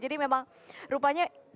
jadi memang rupanya